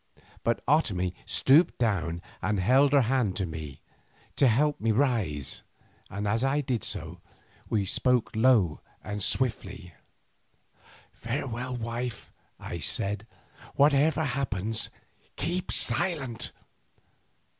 But Otomie stooped down and held her hand to me to help me rise, and as I did so, we spoke low and swiftly. "Farewell, wife," I said; "whatever happens, keep silent."